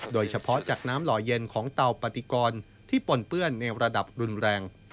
โดยเฉพาะจากน้ำหล่อเย็นของเตาปฏิกรที่ปนเปื้อนในระดับรุนแรง